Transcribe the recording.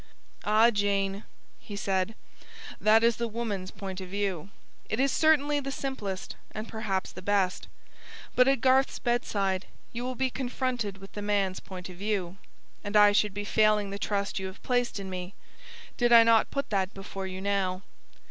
"Ah, Jane," he said, "that is the woman's point of view. It is certainly the simplest, and perhaps the best. But at Garth's bedside you will be confronted with the man's point of view; and I should be failing the trust you have placed in me did I not put that before you now.